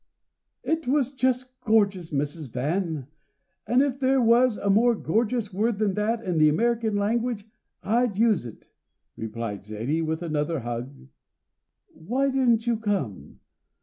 "It was just gorgeous, Mrs. Van, and if there was a more gorgeous word than that in the American language I'd use it," replied Zaidie, with another hug, "Why didn't you come?